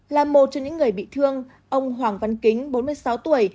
là một trong những người bị thương ông hoàng văn kính bốn mươi sáu tuổi